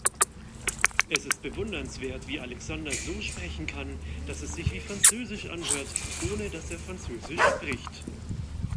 Es ist bewundernswert, wie Alexander so sprechen kann, dass es sich wie französisch anhört, ohne dass er französisch spricht.